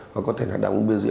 hoặc có thể là đám uống bia rượu